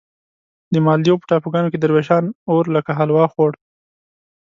د مالدیو په ټاپوګانو کې دروېشان اور لکه حلوا خوړ.